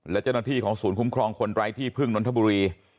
และเจ้าหน้าที่ของศูนย์คุ้มครองคนไร้ที่พึ่งนนทบุรี